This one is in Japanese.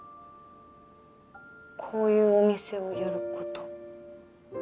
こういうお店をやること？